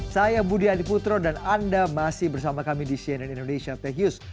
saya budi adiputro dan anda masih bersama kami di cnn indonesia tech news